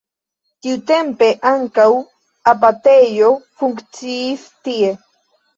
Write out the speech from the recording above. Tiutempe ankaŭ abatejo funkciis tie.